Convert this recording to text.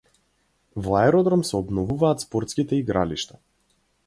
Во Аеродром се обновуваат спортските игралишта